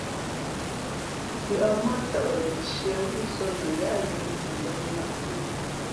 Lʉαʼ mά tαʼ ntīē wúzᾱ mα yáá ghʉ̌ lěn nᾱʼpē.